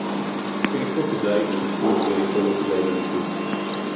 איפה כדאי לליכוד ואיפה לא כדאי לליכוד